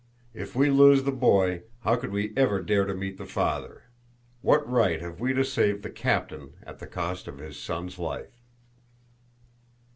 If we lose the boy, how could we ever dare to meet the father? What right have we to save the captain at the cost of his son's life?"